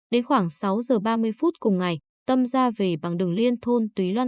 đến khoảng sáu giờ ba mươi phút cùng ngày tâm ra về bằng đường liên thôn túy loan